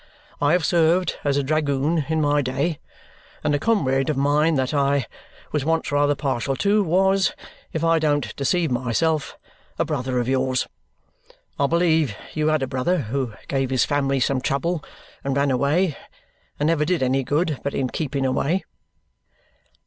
I have served as a dragoon in my day, and a comrade of mine that I was once rather partial to was, if I don't deceive myself, a brother of yours. I believe you had a brother who gave his family some trouble, and ran away, and never did any good but in keeping away?"